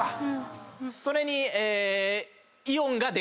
それに。